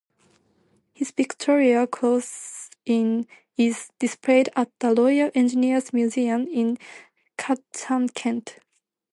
His Victoria Cross is displayed at the Royal Engineers Museum in Chatham, Kent.